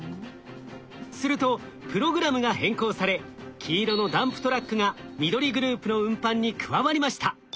するとプログラムが変更され黄色のダンプトラックが緑グループの運搬に加わりました。